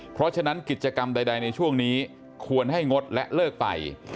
เพราะฉะนั้นกิจกรรมใดในช่วงนี้ควรให้งดและเลิกไป